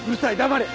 「黙れ」